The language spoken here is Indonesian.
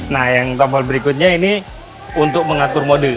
nah yang tahap berikutnya ini untuk mengatur mode